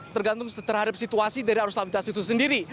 tergantung terhadap situasi dari arus lalu lintas itu sendiri